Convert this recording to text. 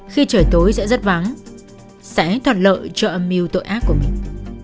khi trời tối sẽ rất vắng sẽ thoạt lợi trợ âm mưu tội ác của mình